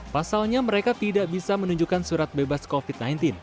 pasalnya mereka tidak bisa menunjukkan surat bebas covid sembilan belas